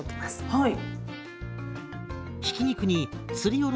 はい。